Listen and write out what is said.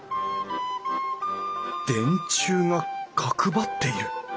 電柱が角張っている！